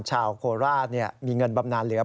ชาวโคราชมีเงินบำนานเหลือ